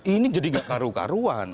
ini jadi gak karu karuan